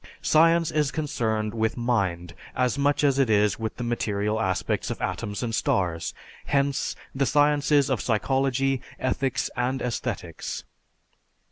Science is concerned with mind as much as it is with the material aspects of atoms and stars, hence the sciences of psychology, ethics, and aesthetics.